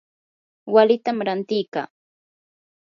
walitam rantikaa.